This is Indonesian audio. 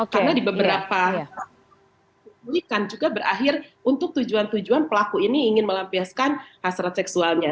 karena di beberapa publik kan juga berakhir untuk tujuan tujuan pelaku ini ingin melampiaskan hasrat seksualnya